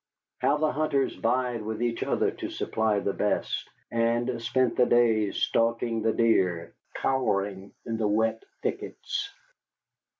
How the hunters vied with each other to supply the best, and spent the days stalking the deer cowering in the wet thickets.